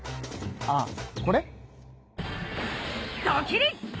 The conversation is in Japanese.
ああこれ？